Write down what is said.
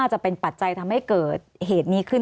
สวัสดีครับทุกคน